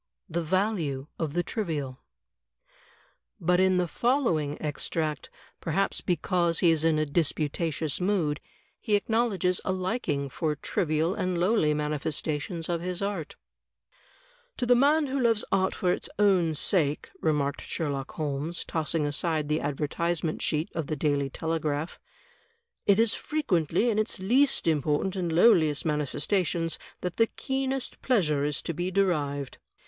The Value of the Trivial But in the following extract, perhaps because he is in a disputatious mood, he acknowledges a liking for trivial and lowly manifestations of his art: "To the man who loves art for its own sake," remarked Sherlock Holmes, tossing aside the advertisement sheet of the Daily Tele graph, "it is frequently in its least important and lowliest manifes tations that the keenest pleasure is to be derived.